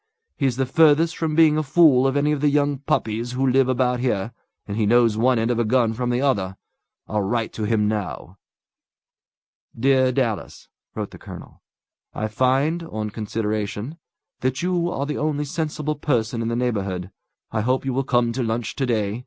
He's the furthest from being a fool of any of the young puppies who live about here, and he knows one end of a gun from the other. I'll write to him now." "Dear Dallas" (wrote the colonel), "I find, on consideration, that you are the only sensible person in the neighbourhood. I hope you will come to lunch to day.